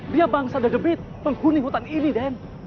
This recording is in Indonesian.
dia bangsa dadebit pengkuni hutan ini den